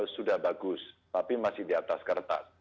sudah bagus tapi masih di atas kertas